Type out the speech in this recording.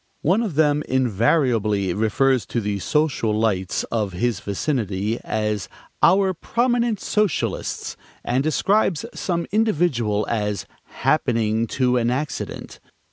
One of them invariably refers to the social lights of his vicinity as "our prominent socialists," and describes some individual as "happening to an accident."